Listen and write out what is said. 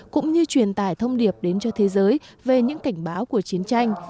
cũng như truyền tải thông điệp đến cho thế giới về những cảnh báo của chiến tranh